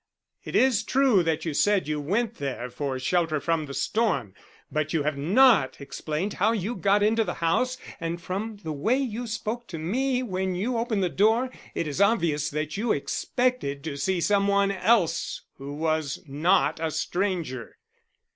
It is true that you said you went there for shelter from the storm. But you have not explained how you got into the house, and from the way you spoke to me when you opened the door it is obvious that you expected to see some one else who was not a stranger."